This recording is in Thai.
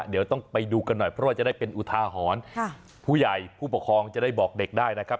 เดี๋ยวต้องไปดูกันหน่อยเพราะว่าจะได้เป็นอุทาหรณ์ผู้ใหญ่ผู้ปกครองจะได้บอกเด็กได้นะครับ